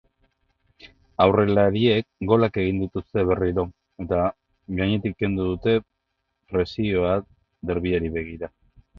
Aurrelariek golak egin dituzte berriro, eta gainetik kendu dute presioa derbiari begira.